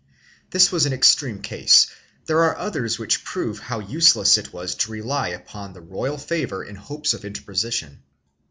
1 This was an extreme case. There are others which prove how useless it was to rely upon the royal favor in hopes of inter position.